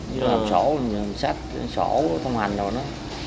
như là sổ sách sổ thông hành rồi